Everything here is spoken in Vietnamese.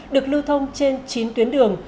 được lưu thông trên chín tuyến đường